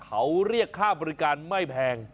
เขาเรียกค่าบริการไม่แพง